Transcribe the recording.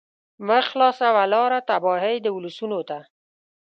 مه خلاصوه لاره تباهۍ د ولسونو ته